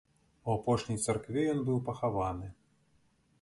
У апошняй царкве ён быў пахаваны.